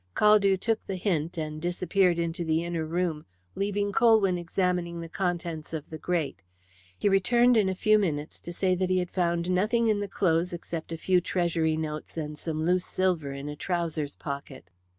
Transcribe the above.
Caldew took the hint, and disappeared into the inner room, leaving Colwyn examining the contents of the grate. He returned in a few minutes to say that he had found nothing in the clothes except a few Treasury notes and some loose silver in a trousers' pocket.